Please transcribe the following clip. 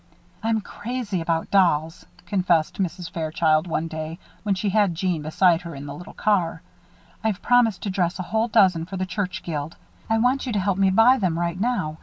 "I'm crazy about dolls," confessed Mrs. Fairchild, one day, when she had Jeanne beside her in the little car. "I've promised to dress a whole dozen for the church guild. I want you to help me buy them right now.